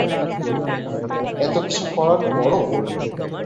এতোকিছু করার পরও!